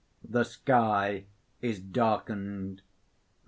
] _The sky is darkened.